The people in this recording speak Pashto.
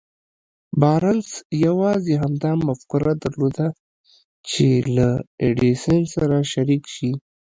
بارنس يوازې همدا مفکوره درلوده چې له ايډېسن سره شريک شي.